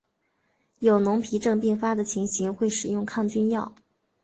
有脓皮症并发的情形会使用抗菌药。